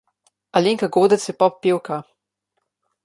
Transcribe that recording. Alenka Godec je pop pevka.